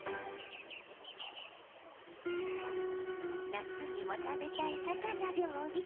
夏にも食べたい魚料理。